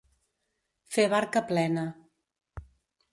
Fer barca plena.